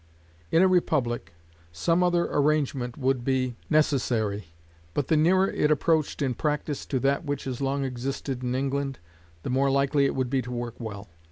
In a republic, some other arrangement would be necessary; but the nearer it approached in practice to that which has long existed in England, the more likely it would be to work well.